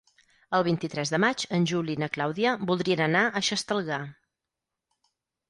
El vint-i-tres de maig en Juli i na Clàudia voldrien anar a Xestalgar.